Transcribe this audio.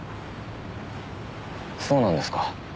そうなんですか。